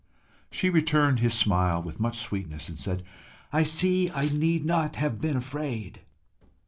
She returned his smile with much sweetness, and said "I see I need not have been afraid."